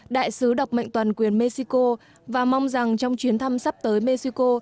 đại sứ đặc mệnh toàn quyền mexico và mong rằng trong chuyến thăm sắp tới mexico